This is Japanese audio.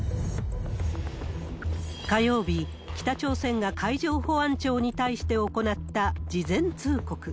火曜日、北朝鮮が海上保安庁に対して行った事前通告。